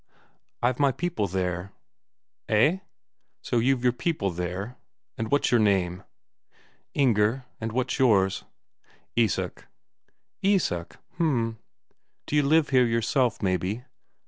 "I've my people there." "Eh, so you've your people there? And what's your name?" "Inger. And what's yours?" "Isak." "Isak? H'm. D'you live here yourself, maybe?"